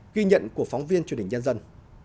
ghi nhận của phóng viên truyền hình nhân dân